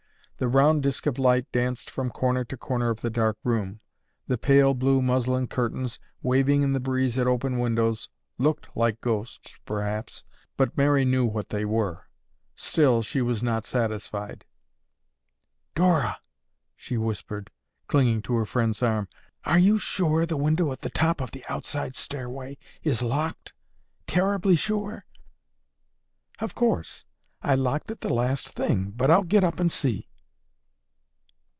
The round disc of light danced from corner to corner of the dark room. The pale blue muslin curtains, waving in the breeze at open windows, looked like ghosts, perhaps but Mary knew what they were. Still she was not satisfied. "Dora," she whispered, clinging to her friend's arm, "are you sure the window at the top of the outside stairway is locked? Terribly sure?" "Of course. I locked it the last thing, but I'll get up and see."